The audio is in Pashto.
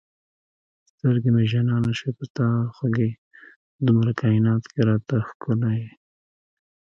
سترګې مې جانانه شوې په تا خوږې دومره کاینات کې را ته ښکلی یې